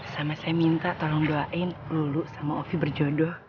sama saya minta tolong doain lulu sama ovi berjodoh